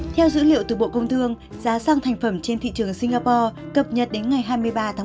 theo dữ liệu từ bộ công thương giá xăng thành phẩm trên thị trường singapore cập nhật đến ngày hai mươi ba tháng một